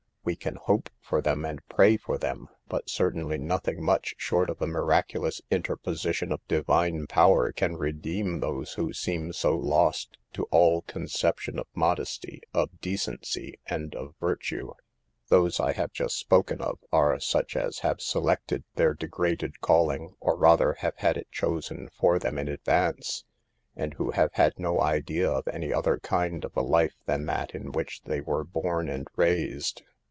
We can hope for them 136 SAVE THE GIRLS. and pray for them, but certainly nothing much short of a miraculous interposition of Divine power can redeem those who seem so lost to all conception of modesty, of decency, and of virtue. Those I have just spoken of are such as have selected their degraded calling, or rather, have had it chosen for them in advance, and who have no idea of any other kind of a life than that in which they were born and raised.